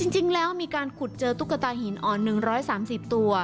จริงแล้วมีการขุดเจอตุ๊กตาหินอ่อน๑๓๐ตัว